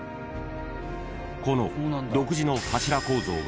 ［この独自の柱構造が］